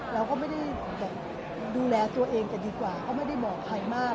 เราก็ไม่ได้แบบดูแลตัวเองกันดีกว่าก็ไม่ได้บอกใครมาก